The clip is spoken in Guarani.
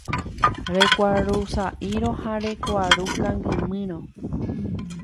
Rekuarusa'írõ ha rekuaru kangymírõ.